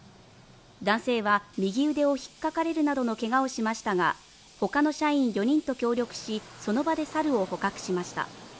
男性は右腕を引っかかれるなどのけがをしましたが、他の社員４人と協力し、その場でサルを捕獲しました。